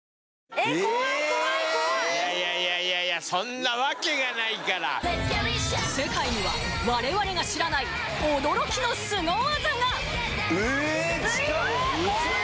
えっ怖い怖い怖いいやいやそんなわけがないから世界には我々が知らない驚きのスゴ技が！え近っ！